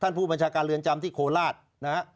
ท่านผู้บัญชาการเรือนจำที่โคลาสนะครับ